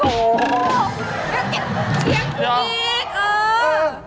แล้วเก็บเชียงกูเองเออ